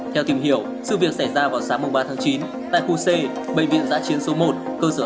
theo tìm hiểu sự việc xảy ra vào sáng ba tháng chín tại khu c bệnh viện giã chiến số một cơ sở